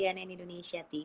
dan tidak minuman ke kelihatan